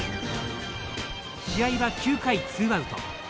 試合は９回ツーアウト。